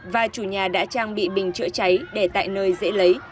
và chủ nhà đã trang bị bình chữa cháy để tại nơi dễ lấy